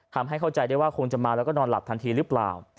ทำให้เข้าใจได้ว่าคงจะมาแล้วก็นอนหลับทันทีหรือเปล่า